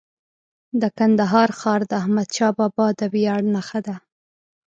د کندهار ښار د احمدشاه بابا د ویاړ نښه ده.